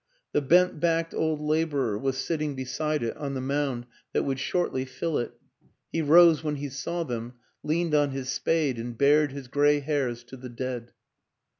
The bent backed old laborer was sitting beside it on the mound that would shortly fill it; he rose when he saw them, leaned on his spade and bared his gray hairs to the dead.